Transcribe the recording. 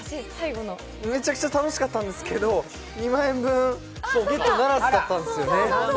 むちゃくちゃ楽しかったんですけど、２万円分ゲットならずだったんですよね。